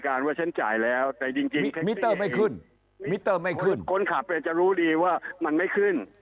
คนขับเลยจะรู้ดีว่ามันไม่ขึ้น